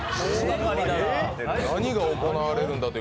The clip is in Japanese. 何が行われるのか。